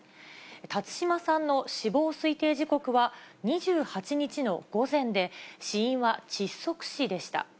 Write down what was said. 辰島さんの死亡推定時刻は２８日の午前で、死因は窒息死でした。